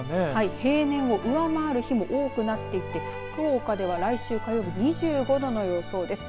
平年を上回る日も多くなっていて福岡では来週火曜日２５度の予想です。